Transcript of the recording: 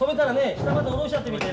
下まで下ろしちゃってみて。